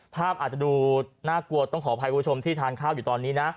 ภาพอาจจะดูน่ากลัวต้องขออภัยคุณผู้ชมที่ทานข้าวอยู่ตอนนี้นะ